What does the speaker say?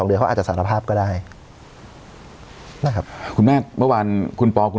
เวลาอาจจะสารภาพก็ได้ครับคุณแม่ท์เมื่อวันคุณปรคุณ